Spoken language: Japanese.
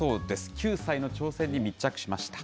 ９歳の挑戦に密着しました。